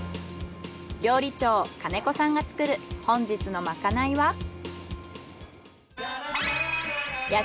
料理長金子さんが作る本日のまかないは。